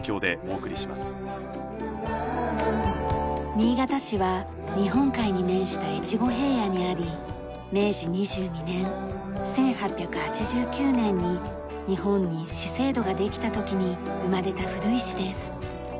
新潟市は日本海に面した越後平野にあり明治２２年１８８９年に日本に市制度ができた時に生まれた古い市です。